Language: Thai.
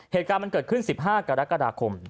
เหตุการณ์มันเกิดขึ้น๑๕กรกฎาคม